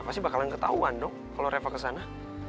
pasti bakalan ketauan dong kalo reva kesana